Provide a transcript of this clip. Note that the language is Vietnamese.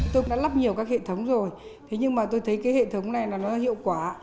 tôi đã lắp nhiều các hệ thống rồi nhưng tôi thấy hệ thống này hiệu quả